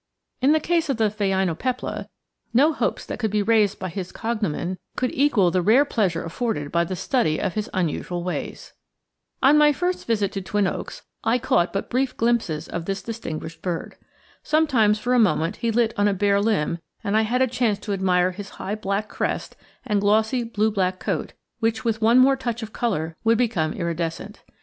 In the case of the phainopepla, no hopes that could be raised by his cognomen would equal the rare pleasure afforded by a study of his unusual ways. [Illustration: THE PHAINOPEPLAS ON THE PEPPER TREE] On my first visit to Twin Oaks I caught but brief glimpses of this distinguished bird. Sometimes for a moment he lit on a bare limb and I had a chance to admire his high black crest and glossy blue black coat, which with one more touch of color would become iridescent.